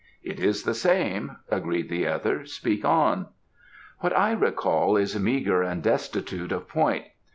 "It is the same," agreed the other. "Speak on." "What I recall is meagre and destitute of point.